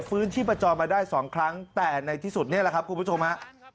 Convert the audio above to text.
ฟื้นที่ประจอมมาได้สองครั้งแต่ในที่สุดนี้แหละครับคุณผู้ชมฮะ